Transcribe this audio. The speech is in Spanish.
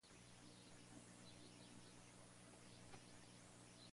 En la actualidad dirige la empresa su hija "Raquel Morga".